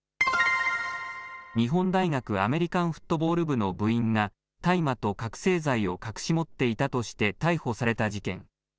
日本大学アメリカンフットボール部の部員が、大麻と覚醒剤を隠し持っていたとして逮捕された事件。